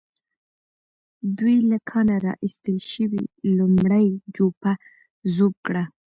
دوی له کانه را ايستل شوې لومړۍ جوپه ذوب کړه.